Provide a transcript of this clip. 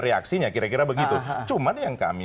reaksinya kira kira begitu cuma yang kami